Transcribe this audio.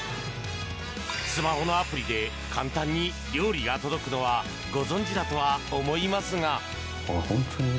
スマホのアプリで簡単に料理が届くのはご存じだとは思いますが。